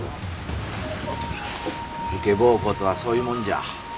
武家奉公とはそういうもんじゃ。